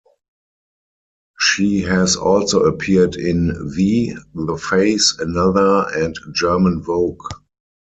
She has also appeared in V, The Face, Another, and German Vogue.